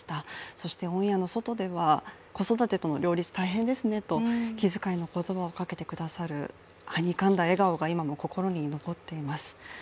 そしてオンエアの外では、子育てとの両立大変ですねと、気遣いの言葉をかけてくださるはにかんだ笑顔が今も心に残っています。